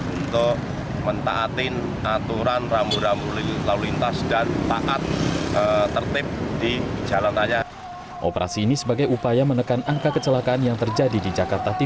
untuk mentaatin aturan ramu ramu lalu lintas